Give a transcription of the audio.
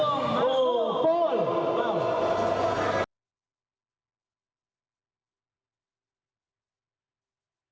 jangan lupa like dan share di channel ini